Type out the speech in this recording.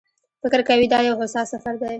فکر کوي دا یو هوسا سفر دی.